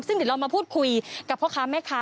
ซึ่งเดี๋ยวเรามาพูดคุยกับพ่อค้าแม่ค้า